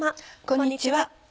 こんにちは。